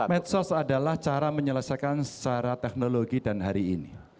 medsos adalah cara menyelesaikan secara teknologi dan hari ini